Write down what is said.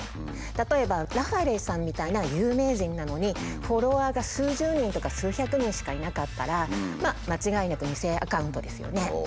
例えばラファエルさんみたいな有名人なのにフォロワーが数十人とか数百人しかいなかったら間違いなく偽アカウントですよね。